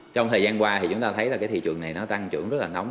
trong thời gian qua thì chúng ta thấy là cái thị trường này nó tăng trưởng rất là nóng